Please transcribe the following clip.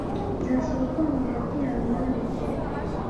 Nzashyira urwango hagati yawe n uyu mugore